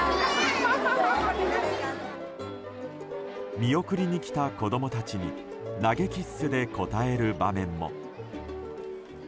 見送りに来た子供たちに投げキッスで応える場面も。